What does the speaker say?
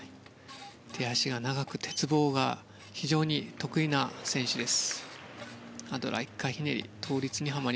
手足が長く鉄棒が非常に得意な選手です。